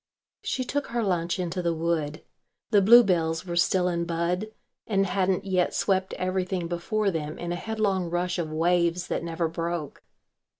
She took her lunch into the wood. The bluebells were still in bud and hadn't yet swept everything before them in a headlong rush of waves that never broke.